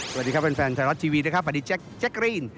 สวัสดีครับแฟนไทยรัฐทีวีนะครับสวัสดีแจ๊กกรีน